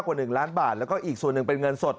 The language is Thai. กว่า๑ล้านบาทแล้วก็อีกส่วนหนึ่งเป็นเงินสด